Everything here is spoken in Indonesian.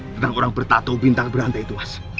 tentang orang bertato bintang berantai itu mas